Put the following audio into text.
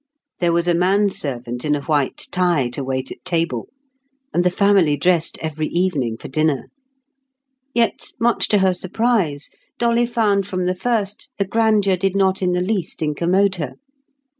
There was a manservant in a white tie to wait at table, and the family dressed every evening for dinner. Yet, much to her surprise, Dolly found from the first the grandeur did not in the least incommode her.